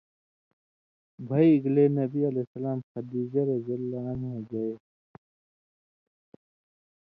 بَہی اېگلے نبی علیہ السلامے خدیجہ رض گے